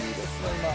今。